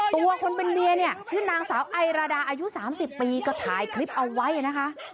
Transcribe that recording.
ตัวคนเป็นเมียเนี่ยชื่อนางสาวไอราดาอายุ๓๐ปีก็ถ่ายคลิปเอาไว้นะคะ